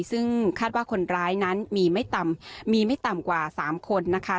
ซึ่งคาดว่าคนร้ายนั้นมีไม่ต่ำกว่า๓คนนะคะ